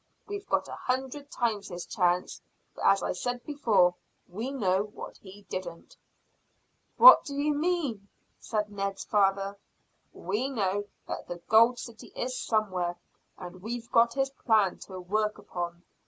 We've got a hundred times his chance, for, as I said before, we know what he didn't." "What do you mean?" said Ned's father. "We know that the gold city is somewhere, and we've got his plan to work upon.